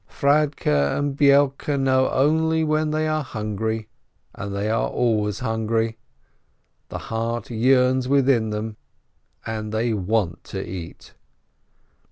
Fradke and Beilke only know when they are hungry (and they are always hungry), the heart yearns within them, and they want to eat.